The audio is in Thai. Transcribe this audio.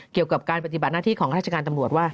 เกี่ยวกับการปฏิบัติหน้าที่ของราชการตำรวจว่า